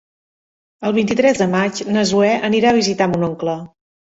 El vint-i-tres de maig na Zoè anirà a visitar mon oncle.